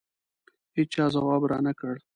هېچا ځواب رانه کړ.